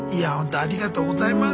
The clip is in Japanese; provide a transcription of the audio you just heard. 「ありがとうございます」。